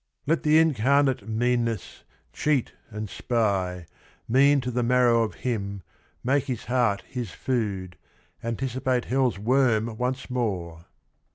"Let the incarnate meanness, cheat and spy, Mean to the marrow of him, make his heart His food, anticipate hell's worm once more